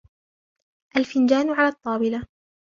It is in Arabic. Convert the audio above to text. الفنجان علي الطاولة.